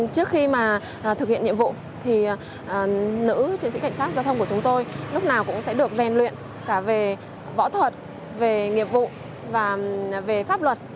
trước khi mà thực hiện nhiệm vụ thì nữ chiến sĩ cảnh sát giao thông của chúng tôi lúc nào cũng sẽ được rèn luyện cả về võ thuật về nghiệp vụ và về pháp luật